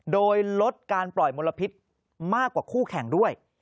โดยลดการปล่อยมลพิษมากกว่าคู่แข่งด้วย